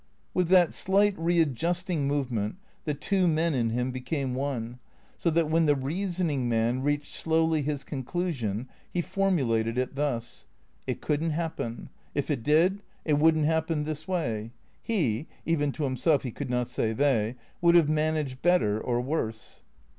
With that slight readjusting movement the two men in him became one, so that when the reasoning man reached slowly his conclusion he formulated it thus :" It could n't happen. If it did, it would n't happen this way. He " (even to himself he could not say " they ")" would have managed better, or worse."